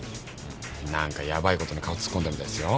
何かヤバイことに顔突っ込んだみたいですよ。